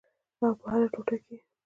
او په هره ټوټه کې یې